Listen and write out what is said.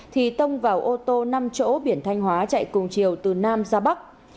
thì tông vào ô tô năm chỗ biển thanh hóa chạy cùng chiều từ nam ra bắc